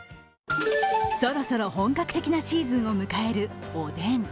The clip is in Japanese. そろそろ本格的なシーズンを迎えるおでん。